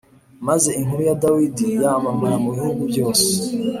Maze inkuru ya Dawidi yamamara mu bihugu byose